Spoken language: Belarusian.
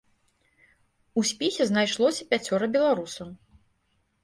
У спісе знайшлося пяцёра беларусаў.